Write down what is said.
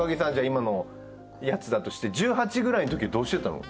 今のやつだとして１８ぐらいの時はどうしてたの？